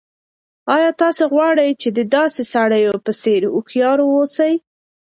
آیا تاسو غواړئ چې د داسې سړیو په څېر هوښیار اوسئ؟